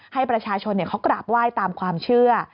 ให้ประชาชนเขากราบไหว้ตามความเชื่อ